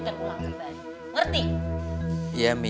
terulang kembali ngerti